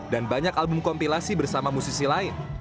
dan banyak album kompilasi bersama musisi lain